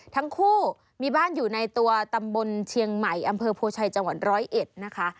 ทั้งคู่มีบ้านอยู่ในตัวตำบลเชียงใหม่อำเภอโพชัยจังหวัดร้อยเอ็ดนะคะ